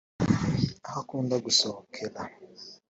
aho akunda gusohokera